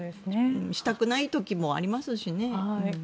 したくない時もありますしね。